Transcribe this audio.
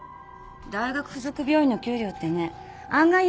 大学付属病院の給料ってね案外安いのよ。